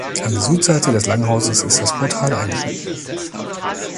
An der Südseite des Langhauses ist das Portal eingeschnitten.